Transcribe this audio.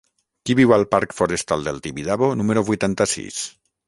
Qui viu al parc Forestal del Tibidabo número vuitanta-sis?